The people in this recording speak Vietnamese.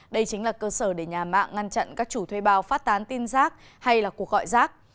đây chính là cơ sở để nhà mạng ngăn chặn các chủ thuê bao phát tán tin rác hay là cuộc gọi rác